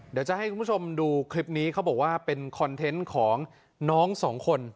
เดี๋ยวจะให้คุณผู้ชมดูคลิปนี้เขาบอกว่าเป็นคอนเทนต์ของน้องสองคน